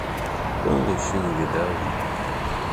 Он еще не видал ее.